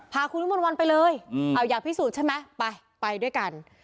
พาคุณวิมนต์วันไปเลยอยากพิสูจน์ใช่ไหมไปไปด้วยกัน